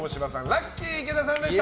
ラッキィ池田さんでした。